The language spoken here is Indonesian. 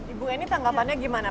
ibu ini tanggapannya gimana